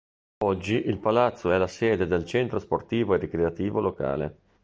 Oggi il palazzo è la sede del Centro Sportivo e Ricreativo locale.